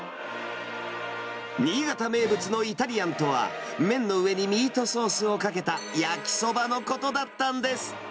新潟名物のイタリアンとは、麺の上にミートソースをかけた焼きそばのことだったんです。